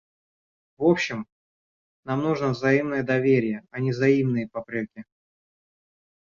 В общем, нам нужно взаимное доверие, а не взаимные попреки.